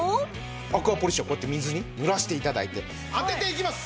アクアポリッシャーをこうやって水に濡らして頂いて当てていきます。